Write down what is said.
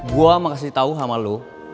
gue mau kasih tau sama lo